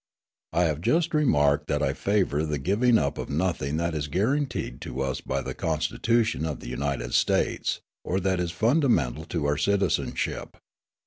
I have just remarked that I favour the giving up of nothing that is guaranteed to us by the Constitution of the United States, or that is fundamental to our citizenship.